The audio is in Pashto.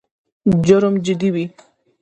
جرم جدي وي.